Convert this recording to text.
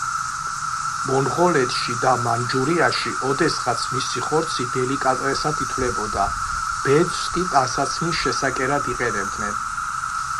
მონღოლეთში და მანჯურიაში ოდესღაც მისი ხორცი დელიკატესად ითვლებოდა, ბეწვს კი ტანსაცმლის შესაკერად იყენებდნენ.